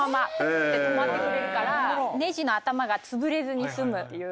プッて止まってくれるからネジの頭が潰れずに済むという。